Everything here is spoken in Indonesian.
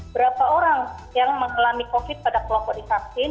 berapa orang yang mengalami covid pada kelompok divaksin